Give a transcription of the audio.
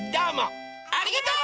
ありがとう！